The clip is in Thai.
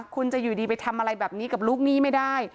คุณจะอยู่ดีไปทำอะไรแบบนี้กับลูกหนี้ไม่ได้